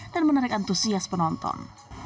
dan menarik antusias penonton